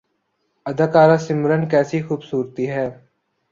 اداکارہ سمرن کیسی خوبصورتی ہے